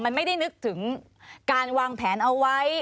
มันไม่ได้นึกถึงการวางแผนเอาไว้